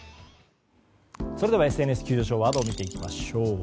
それではＳＮＳの急上昇ワード見ていきましょう。